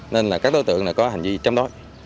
nên là các đối tượng có hành vi chống đối